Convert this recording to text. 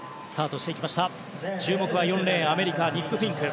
注目は４レーンアメリカ、ニック・フィンク。